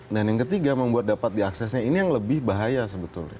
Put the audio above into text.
dan yang ketiga membuat dapat diaksesnya ini yang lebih bahaya sebetulnya